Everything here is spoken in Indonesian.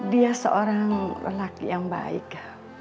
dia seorang lelaki yang baik